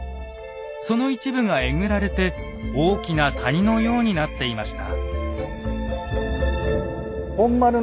その一部がえぐられて大きな谷のようになっていました。